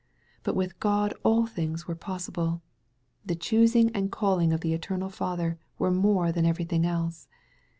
But with God all things were possible. The choosing and calling of the eternal Father were more than everything else.